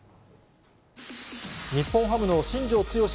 日本ハムの新庄剛志